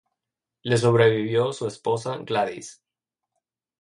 Le sobrevivió su esposa, Gladys.